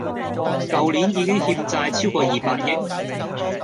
舊年已經欠債超過二百億